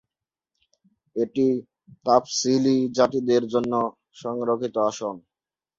এটি তফসিলী জাতিদের জন্য সংরক্ষিত আসন।